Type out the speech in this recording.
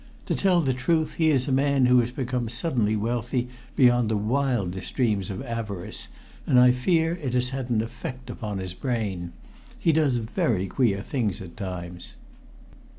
To tell the truth, he is a man who has become suddenly wealthy beyond the wildest dreams of avarice, and I fear it has had an effect upon his brain. He does very queer things at times."